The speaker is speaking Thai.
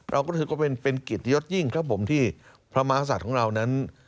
เราก็คือก็เป็นกิจยศยิ่งครับผมที่พระมศาสตร์ของเรานั้น